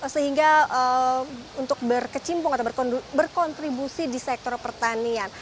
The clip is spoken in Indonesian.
sehingga untuk berkecimpung atau berkontribusi di sektor pertanian